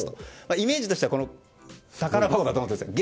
イメージとしてはこの箱だと思ってください。